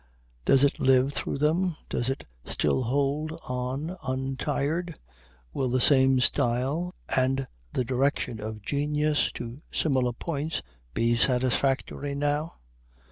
Does it live through them? Does it still hold on untired? Will the same style, and the direction of genius to similar points, be satisfactory now?